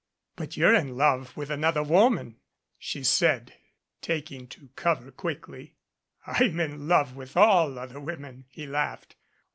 "But you're in love with another woman," she said taking to cover quickly. "I'm in love with all other women," he laughed.